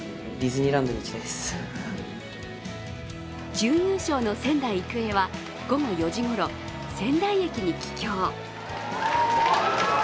準優勝の仙台育英は午後４時ごろ、仙台駅に帰郷。